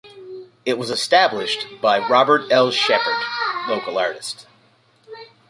It was established by Robert L. Shepherd, local artist.